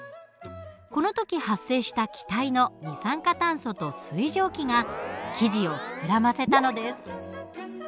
この時発生した気体の二酸化炭素と水蒸気が生地を膨らませたのです。